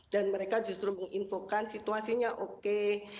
dan mereka justru menginfokan situasinya oke